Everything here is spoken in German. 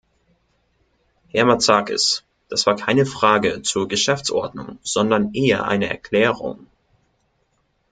Herr Matsakis, das war keine Frage zur Geschäftsordnung, sondern eher eine Erklärung.